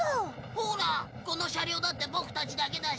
ほらこの車両だってボクたちだけだし。